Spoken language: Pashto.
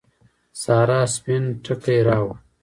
سارا سپين ټکی راووړ.